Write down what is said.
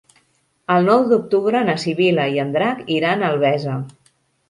El nou d'octubre na Sibil·la i en Drac iran a Albesa.